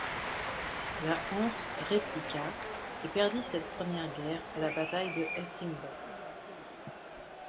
La Hanse répliqua et perdit cette première guerre à la Bataille de Helsingborg.